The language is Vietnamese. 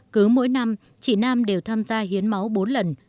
cứ mỗi năm chị nam đều tham gia hiến máu bốn lần